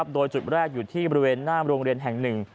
โดยจุดแรกอยู่ที่บริเวณหน้าโรงเรียนแห่งหนึ่ง